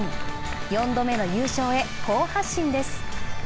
４度目の優勝へ好発進です。